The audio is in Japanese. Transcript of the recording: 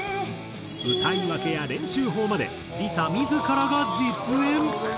歌い分けや練習法までＬｉＳＡ自らが実演！